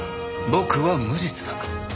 僕は無実だ。